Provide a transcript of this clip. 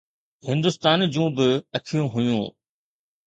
هندستان جون به اکيون هيون.